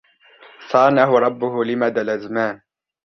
صانه ربه لمدى الأزمان